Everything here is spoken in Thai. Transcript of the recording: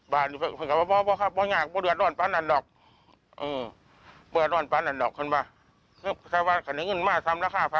บ้านอยู่ค่ะว่าว่าว่าว่าค่ะไม่ง่าก็เดี๋ยวอาจรอดป้านั่นหรอกเออเปิดอาจรอดป้านั่นหรอกเขินป่ะ